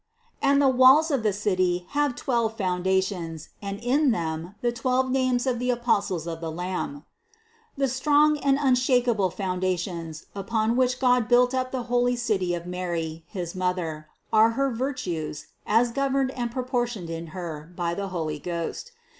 276. "And the walls of the city had twelve founda tions, and in them the twelve names of the apostles of the Lamb." The strong and unshakable foundations, upon which God built up the holy City of Mary his Mother, are her virtues, as governed and proportioned in Her by the Holy Ghost.